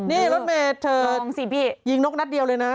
นี่รถเมย์เธอยิงนกนัดเดียวเลยนะ